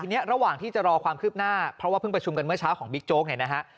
ทีนี้ระหว่างที่จะรอความคืบหน้าเพราะว่าเพิ่งประชุมกันเมื่อเช้าของบิ๊กโจ๊กเนี่ยนะฮะ